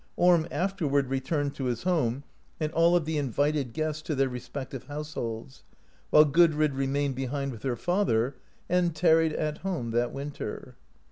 Orm afterward returned to his home, and all of the in vited guests to their respective households, while Gudrid remained behind with her father, and tarried at home that winter.